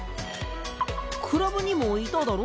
クラブにもいただろ？